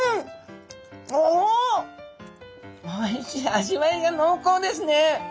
味わいが濃厚ですね。